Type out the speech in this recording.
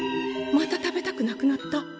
また食べたくなくなった。